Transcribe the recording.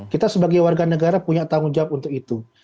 kita sebagai warga negara punya tanggung jawab untuk itu